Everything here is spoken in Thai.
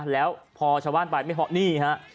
แล้วพอชาวบ้านไปไม่เพราะนี่ฮะ